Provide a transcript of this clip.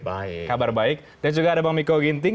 baik kabar baik dan juga ada bang miko ginting